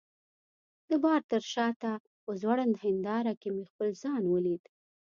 د بار تر شاته په ځوړند هنداره کي مې خپل ځان ولید.